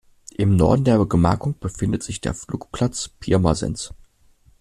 Im Norden der Gemarkung befindet sich der Flugplatz Pirmasens.